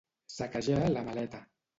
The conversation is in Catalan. Saquejar la maleta.